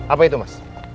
apa itu mas